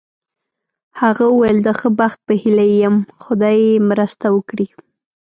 هغه وویل: د ښه بخت په هیله یې یم، خدای یې مرسته وکړي.